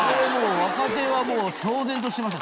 若手はもう騒然としてました